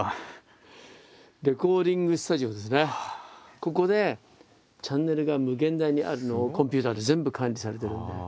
ここでチャンネルが無限大にあるのをコンピューターで全部管理されてるので。